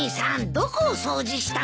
どこを掃除したのさ。